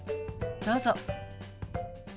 どうぞ。